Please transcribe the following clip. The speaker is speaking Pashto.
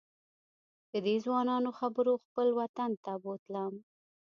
ددې ځوانانو خبرو خپل وطن ته بوتلم.